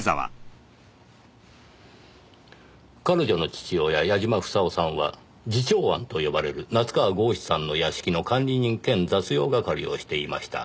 彼女の父親矢嶋房夫さんは慈朝庵と呼ばれる夏河郷士さんの屋敷の管理人兼雑用係をしていました。